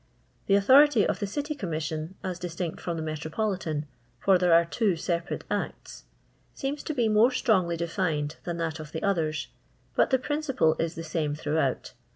The authority of the City Commission, as dis tinct from the Metropolitan, for there are two separate Acts, seems to be more strongly defined than that of the others, but the principle is the same throughout.